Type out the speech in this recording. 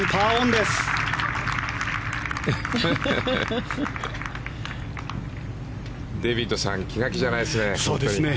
デービッドさん気が気じゃないですね